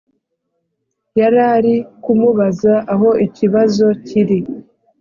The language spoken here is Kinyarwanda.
yarari kumubaza aho ikibazo kiri